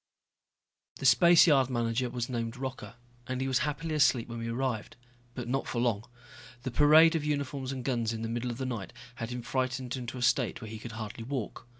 The spaceyard manager was named Rocca, and he was happily asleep when we arrived. But not for long. The parade of uniforms and guns in the middle of the night had him frightened into a state where he could hardly walk.